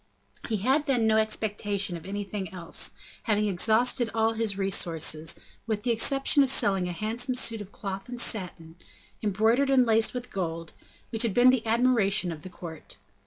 He had then no expectation of anything else, having exhausted all his resources, with the exception of selling a handsome suit of cloth and satin, embroidered and laced with gold, which had been the admiration of the court.